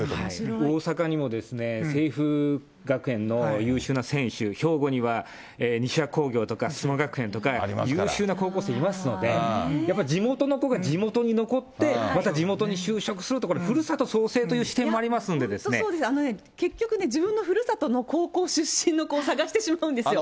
大阪にも、せいふう学園の優秀な選手、兵庫にはにしゃ工業とかすその学園とか優秀な選手がいますので、やっぱり地元の子が地元に残って、地元に就職すると、ふるさと創生という視点もありますんでですね、本当そうです、あのね、結局自分のふるさとの高校出身の子を探してしまうんですよ。